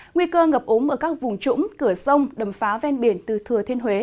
nguy cơ ngập ống ở các vùng trũng cửa sông đầm phá ven biển từ thừa thiên huế